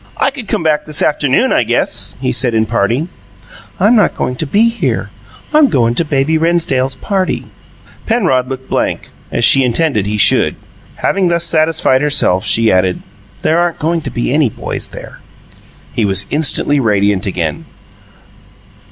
"I could come back this afternoon, I guess," he said, in parting. "I'm not goin' to be here. I'm goin' to Baby Rennsdale's party." Penrod looked blank, as she intended he should. Having thus satisfied herself, she added: "There aren't goin' to be any boys there." He was instantly radiant again.